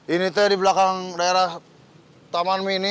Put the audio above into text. ini teh di belakang daerah taman mini